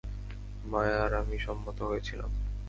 মায়া আর আমি সম্মত হয়েছিলাম।